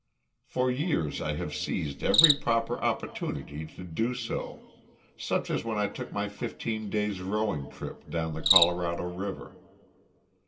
For years I have seized every proper opportunity to do so, such as when I took my fifteen days' rowing trip down the Colorado River.